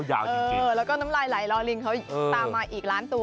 ส่องมาว่าอะไรคะ